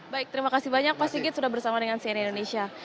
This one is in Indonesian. baik terima kasih banyak pak sigit sudah bersama dengan cnn indonesia